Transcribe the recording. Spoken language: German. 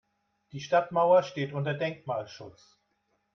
Die Stadtmauer steht unter Denkmalschutz.